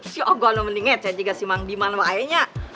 si ogo alam mending ngeceh juga si mang biman waenya